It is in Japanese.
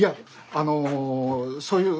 あのそういう。